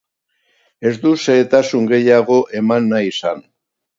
Ez du xehetasun gehiago eman nahi izan.